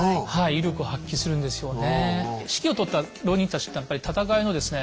威力を発揮するんですよね。